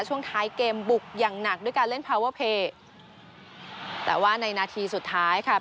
ช่วงท้ายเกมบุกอย่างหนักด้วยการเล่นพาวเวอร์เพย์แต่ว่าในนาทีสุดท้ายค่ะ